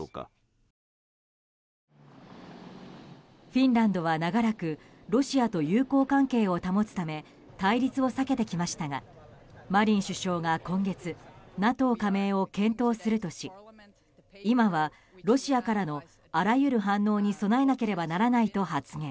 フィンランドは長らくロシアと友好関係を保つため対立を避けてきましたがマリン首相が今月ＮＡＴＯ加盟を検討するとし今はロシアからのあらゆる反応に備えなければならないと発言。